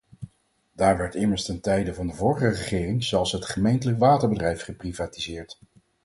Daar werd immers ten tijde van de vorige regering zelfs het gemeentelijk waterbedrijf geprivatiseerd.